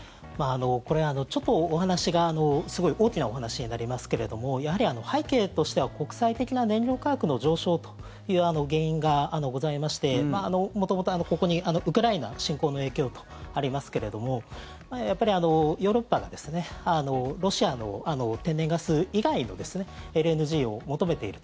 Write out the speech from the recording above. これ、ちょっとお話がすごい大きなお話になりますがやはり背景としては国際的な燃料価格の上昇という原因がございまして元々、ここにウクライナ侵攻の影響とありますけれどもやっぱりヨーロッパがロシアの天然ガス以外のＬＮＧを求めていると。